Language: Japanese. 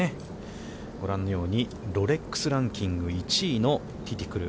ご覧のように、ロレックス・ランキング１位のティティクル。